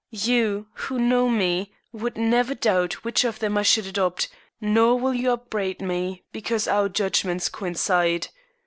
You, who know me, would never doubt which of them I should adopt, nor will you upbraid me because our judgments coincide.